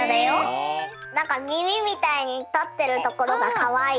なんかみみみたいにたってるところがかわいい。